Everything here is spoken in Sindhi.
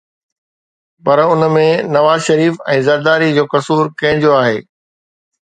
پر ان ۾ نواز شريف ۽ زرداري جو قصور ڪنهن جو آهي؟